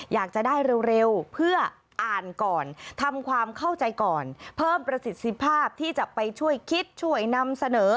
อยากจะได้เร็วเพื่ออ่านก่อนทำความเข้าใจก่อนเพิ่มประสิทธิภาพที่จะไปช่วยคิดช่วยนำเสนอ